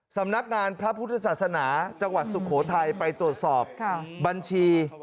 สำนักงานพระพุทธศาสนาจังหวัดสุโขทัยไปตรวจสอบบัญชี